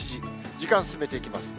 時間進めていきます。